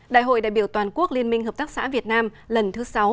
đại hội đại biểu toàn quốc liên minh hợp tác xã việt nam lần thứ sáu